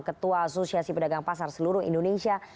ketua asosiasi pedagang pasar seluruh indonesia